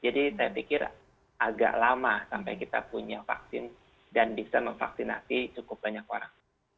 jadi saya pikir agak lama sampai kita punya vaksin dan bisa memvaksinasi cukup banyak orang